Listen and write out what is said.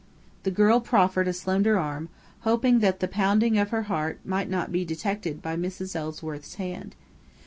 The girl proffered a slender arm, hoping that the pounding of her heart might not be detected by Mrs. Ellsworth's hand.